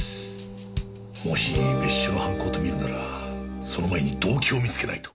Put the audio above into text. もし別所の犯行と見るならその前に動機を見つけないと。